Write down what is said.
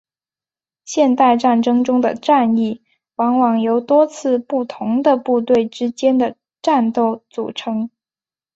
现代战争中的战役往往由多次不同的部队之间的战斗组成。